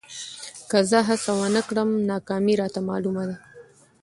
که زه هڅه ونه کړم، ناکامي راته معلومه ده.